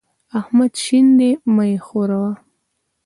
احمد شين دی؛ مه يې ښوروه.